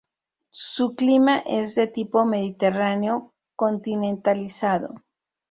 Su clima es de tipo mediterráneo continentalizado.